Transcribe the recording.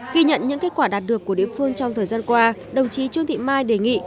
ghi nhận những kết quả đạt được của địa phương trong thời gian qua đồng chí trương thị mai đề nghị